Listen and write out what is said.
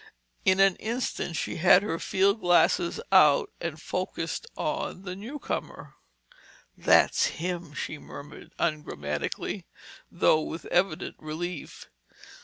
In an instant she had her field glasses out and focussed on the newcomer. "That's him!" she murmured ungrammatically, though with evident relief.